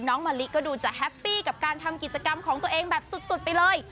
มะลิก็ดูจะแฮปปี้กับการทำกิจกรรมของตัวเองแบบสุดไปเลย